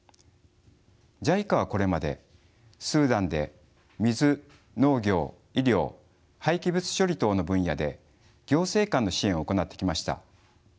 ＪＩＣＡはこれまでスーダンで水農業医療廃棄物処理等の分野で行政官の支援を行ってきました。